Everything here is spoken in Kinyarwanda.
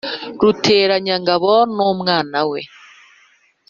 Ruteranyangabo n'umwana we